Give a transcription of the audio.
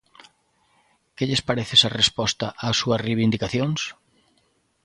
Que lles parece esa resposta ás súas reivindicacións?